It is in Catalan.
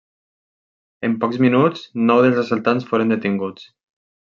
En pocs minuts nou dels assaltants foren detinguts.